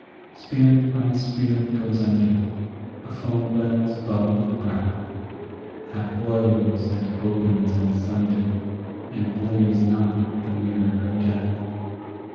Spirit by spirit goes under, a foam bell's bubble of breath, That blows and opens in sunder and blurs not the mirror of death.